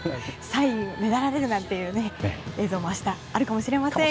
サインがねだられるという映像も明日、あるかもしれません。